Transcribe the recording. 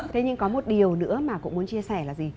thế nhưng có một điều nữa mà cũng muốn chia sẻ là gì